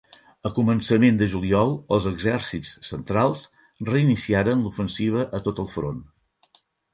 A començament de juliol els exèrcits centrals reiniciaren l'ofensiva a tot el front.